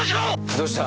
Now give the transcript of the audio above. どうした？